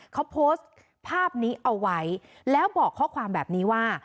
เขาโพสต์ภาพนี้เอาไว้แล้วบอกข้อความแบบนี้ว่า